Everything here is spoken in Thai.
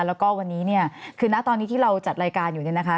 แล้วก็วันนี้คือหน้าตอนนี้ที่เราจัดรายการอยู่นี่นะคะ